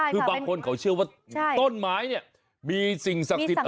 คือบางคนเขาเชื่อว่าต้นไม้เนี่ยมีสิ่งศักดิ์สิทธิ์